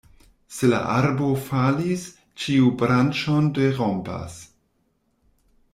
Se la arbo falis, ĉiu branĉon derompas.